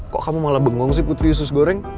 kok kamu malah bengong sih putri usus goreng